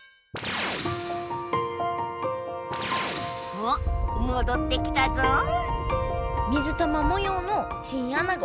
おっもどってきたぞ水玉もようのチンアナゴ。